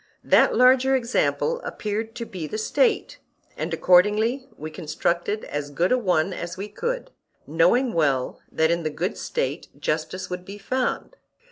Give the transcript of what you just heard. That larger example appeared to be the State, and accordingly we constructed as good a one as we could, knowing well that in the good State justice would be found.